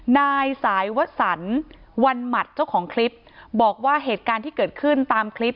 นายสายวสันวันหมัดเจ้าของคลิปบอกว่าเหตุการณ์ที่เกิดขึ้นตามคลิป